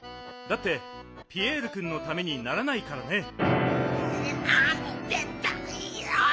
だってピエールくんのためにならないからね。